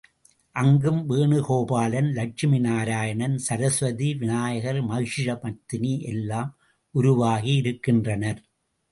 அங்கும் வேணுகோபாலன் லட்சுமி நாராயணன், சரஸ்வதி, விநாயகர், மகிஷ மர்த்தனி எல்லாம் உருவாகி இருக்கின்றனர்.